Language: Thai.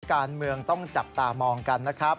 การเมืองต้องจับตามองกันนะครับ